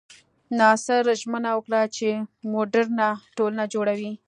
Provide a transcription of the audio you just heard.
ناصر ژمنه وکړه چې موډرنه ټولنه جوړوي.